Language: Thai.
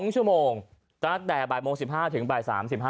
๒ชั่วโมงตั้งแต่บ่ายโมง๑๕ถึงบ่าย๓๕